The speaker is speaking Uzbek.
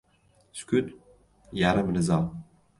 • Sukut — yarim rizo.